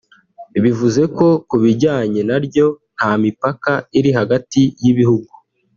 bivuze ko ku bijyanye naryo nta mipaka iri hagati y’ibihugu